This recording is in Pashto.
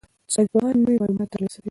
ساینسپوهان نوي معلومات ترلاسه کوي.